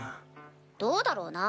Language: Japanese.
どうだろうな？